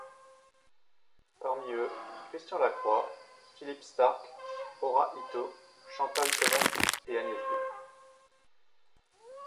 Parmi eux, Christian Lacroix, Philippe Starck, Ora-ïto, Chantal Thomass et Agnès b.